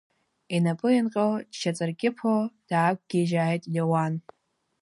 Инапы еинҟьо, дшьаҵаркьыԥо даақәгьежьааит Леиуан.